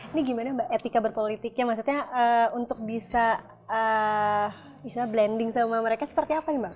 ini gimana mbak etika berpolitiknya maksudnya untuk bisa blending sama mereka seperti apa nih mbak